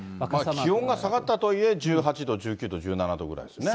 気温が下がったとはいえ、１８度、１９度、１７度ぐらいですね。